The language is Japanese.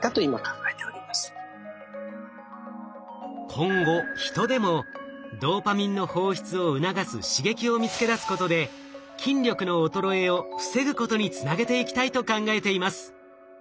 今後ヒトでもドーパミンの放出を促す刺激を見つけ出すことで筋力の衰えを防ぐことにつなげていきたいと考えています。